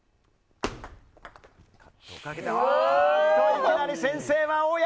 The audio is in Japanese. いきなり先制は大矢！